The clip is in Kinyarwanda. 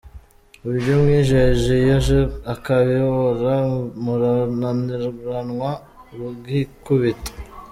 Ibyo umwijeje iyo aje akabibura, murananiranwa rugikubita.